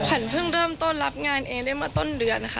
ขวัญเพิ่งเริ่มต้นรับงานเองได้มาต้นเดือนค่ะ